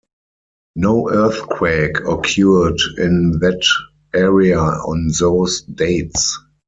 No earthquake occurred in that area on those dates.